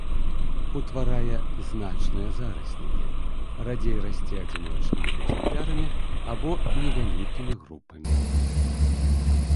Утварае значныя зараснікі, радзей расце адзіночнымі экзэмплярамі або невялікімі групамі.